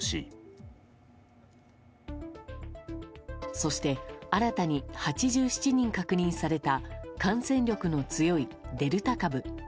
そして新たに８７人確認された感染力の強いデルタ株。